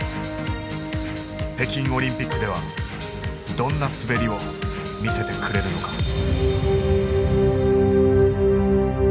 北京オリンピックではどんな滑りを見せてくれるのか。